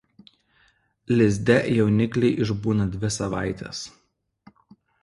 Lizde jaunikliai išbūna dvi savaites.